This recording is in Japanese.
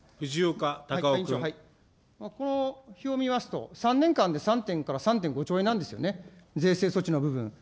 この表を見ますと、３年間で３．から３．５兆円なんですよね、税制措置の部分。